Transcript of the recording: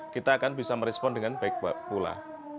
kita akan bisa merespon dengan baik pula